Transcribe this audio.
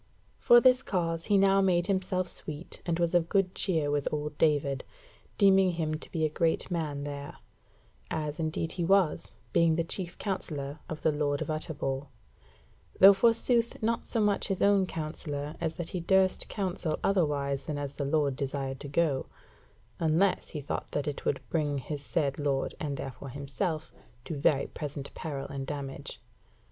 For this cause he now made himself sweet, and was of good cheer with old David, deeming him to be a great man there; as indeed he was, being the chief counsellor of the Lord of Utterbol; though forsooth not so much his counsellor as that he durst counsel otherwise than as the Lord desired to go; unless he thought that it would bring his said Lord, and therefore himself, to very present peril and damage.